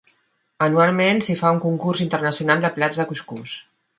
Anualment s'hi fa un concurs internacional de plats de cuscús.